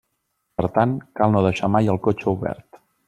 Per tant, cal no deixar mai el cotxe obert.